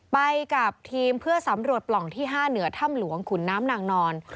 ไปกับทีมเพื่อสำรวจปล่องที่๕เหนือถ้ำหลวงขุนน้ำนางนอน